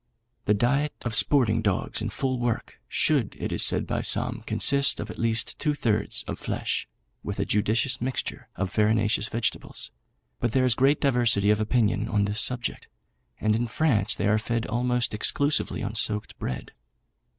The diet of sporting dogs in full work should, it is said by some, consist of at least two thirds of flesh, with a judicious mixture of farinaceous vegetables; but there is great diversity of opinion on this subject, and in France they are fed almost exclusively on soaked bread.